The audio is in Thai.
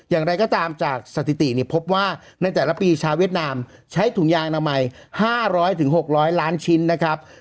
อย่างไรก็ตามจากสถิติพบว่าในแต่ละปีชาวเวียดนามใช้ถุงยางอนามัย๕๐๐๖๐๐ล้านชิ้นนะครับ